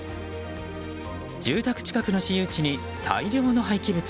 住宅近くの私有地に大量の廃棄物。